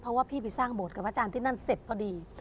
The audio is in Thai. เพราะว่าพี่ไปสร้างโบสถกับอาจารย์ที่นั่นเสร็จพอดี